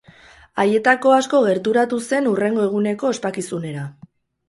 Haietako asko gerturatu zen hurrengo eguneko ospakizunera.